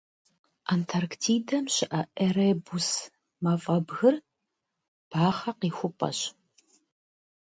Антарктидэм щыӏэ Эребус мафӏэбгыр бахъэ къихупӏэщ.